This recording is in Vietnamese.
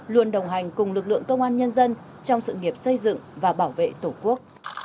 luôn đồng hành cùng lực lượng công an nhân dân trong sự nghiệp xây dựng và bảo vệ tổ quốc